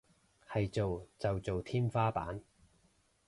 係做就做天花板